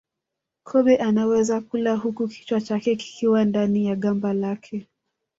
Kobe anaweza kula huku kichwa chake kikiwa ndani ya gamba lake